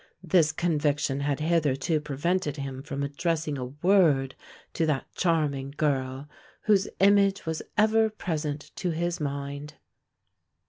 This conviction had hitherto prevented him from addressing a word to that charming girl whose image was ever present to his mind.